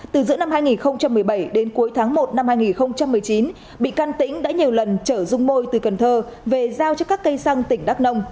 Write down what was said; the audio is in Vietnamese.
từ giữa năm hai nghìn một mươi bảy đến cuối tháng một năm hai nghìn một mươi chín bị can tĩnh đã nhiều lần chở dung môi từ cần thơ về giao cho các cây xăng tỉnh đắk nông